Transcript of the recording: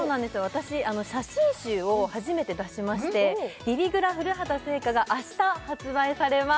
私写真集を初めて出しまして「びびぐら古畑星夏」が明日発売されます